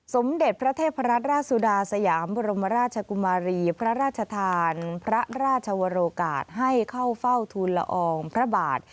สมเด็จพระเทพรัตนราชสุดาสยามบรมราชกุมารีพระราชทานพระราชวรกาศให้เข้าเฝ้าทุนละอองพระบาท